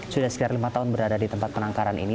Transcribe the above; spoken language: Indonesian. sudah sekitar lima tahun berada di tempat penangkaran ini